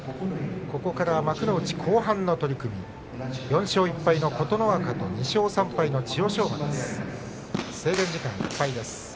ここから幕内後半の取組４勝１敗の琴ノ若と２勝３敗の千代翔馬です。